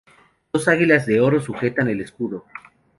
Dos águilas de oro sujetan el escudo.